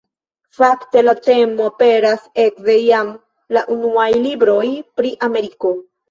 Fakte la temo aperas ekde jam la unuaj libroj pri Ameriko.